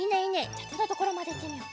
じゃあてのところまでいってみよう。